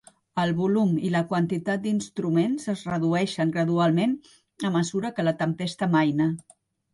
El volum i la quantitat d"instruments es redueixen gradualment a mesura que la tempesta amaina.